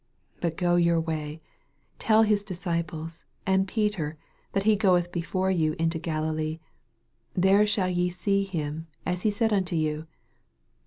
7* But go your way, tell his disci ples and Peter that lie gotth before you into Galilee: there shall ye see him, aa he said unto you.